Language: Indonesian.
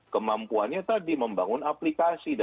kemampuannya tadi membangun aplikasi